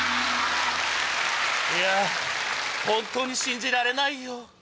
いや本当に信じられないよ。